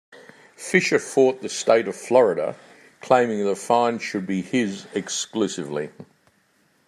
Fisher fought the State of Florida, claiming the find should be his, exclusively.